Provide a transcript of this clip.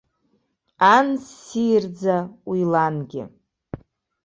Ан ссирӡа, уи лангьы.